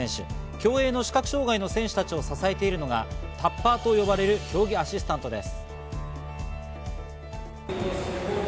競泳の視覚障害の選手たちを支えているのがタッパーと呼ばれる競技アシスタントです。